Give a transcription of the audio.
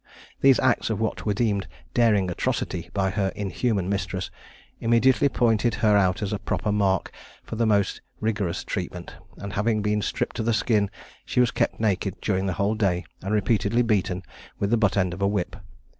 These acts of what were deemed daring atrocity by her inhuman mistress, immediately pointed her out as a proper mark for the most rigorous treatment; and, having been stripped to the skin, she was kept naked during the whole day, and repeatedly beaten with the but end of a whip.